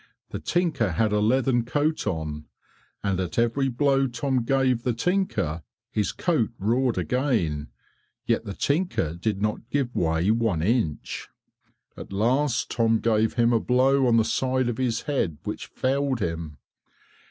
The tinker had a leathern coat on, and at every blow Tom gave the tinker his coat roared again, yet the tinker did not give way one inch. At last Tom gave him a blow on the side of his head which felled him.